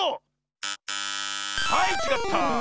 はいちがった。